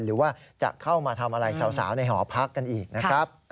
หรือว่าจะเข้ามาทำอะไรสาวในหอพักกันอีกนะครับ